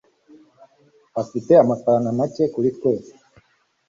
afite amafaranga make muri twese